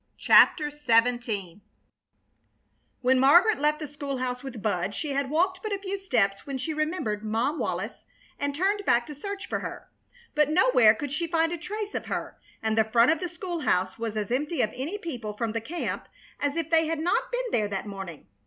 CHAPTER XVII When Margaret left the school house with Bud she had walked but a few steps when she remembered Mom Wallis and turned back to search for her; but nowhere could she find a trace of her, and the front of the school house was as empty of any people from the camp as if they had not been there that morning.